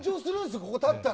ここに立ったら。